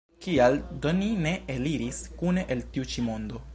Kial do ni ne eliris kune el tiu ĉi mondo?